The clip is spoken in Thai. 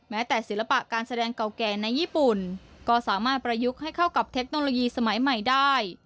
แม้แต่ศิลปะการแสดงเก่าแก่ในญี่ปุ่นก็สามารถประยุกต์ให้เข้ากับเทคโนโลยีสมัยใหม่ได้